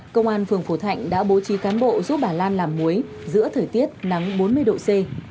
công an phường phổ thạnh đã bố trí cán bộ giúp bà lan làm muối giữa thời tiết nắng bốn mươi độ c